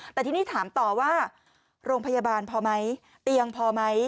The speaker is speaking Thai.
แต่ทีนี้ถามต่อว่าโรงพยาบาลพอไหมเตียงพอไหม